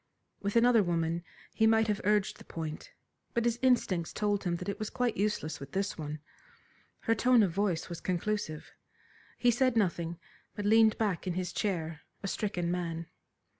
With another woman he might have urged the point, but his instincts told him that it was quite useless with this one. Her tone of voice was conclusive. He said nothing, but leaned back in his chair a stricken man.